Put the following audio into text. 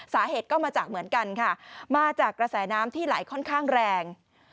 สาเหตุก็มาจากเหมือนกันค่ะมาจากกระแสน้ำที่ไหลค่อนข้างแรง